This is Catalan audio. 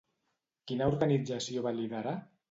Quina organització va liderar?